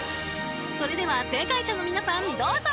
それでは正解者の皆さんどうぞ！